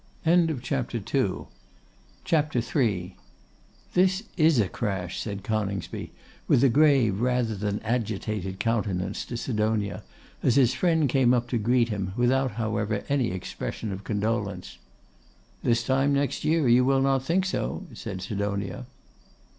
CHAPTER III. 'This is a crash!' said Coningsby, with a grave rather than agitated countenance, to Sidonia, as his friend came up to greet him, without, however, any expression of condolence. 'This time next year you will not think so,' said Sidonia.